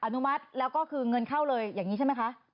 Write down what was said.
อนุมัติแล้วก็คือเงินเข้าเลยอย่างนี้ใช่ไหมคะ